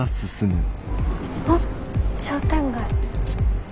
あ商店街。